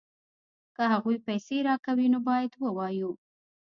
که هغوی پیسې راکوي نو باید ووایو